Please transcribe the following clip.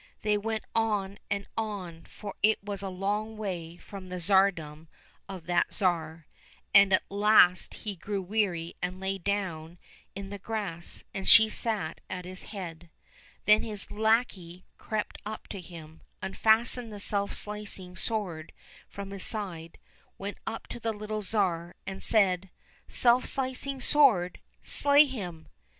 They went on and on, for it was a long way from the tsardom of that Tsar, and at last he grew weary and lay down in the grass, and she sat at his head. Then his lackey crept up to him, unfastened the self slicing sword from his side, went up to the little Tsar, and said, " Self slicing sword ! slay him !